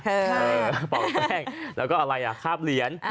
เออเป่าแป้งแล้วก็อะไรอ่ะคาบเหรียญ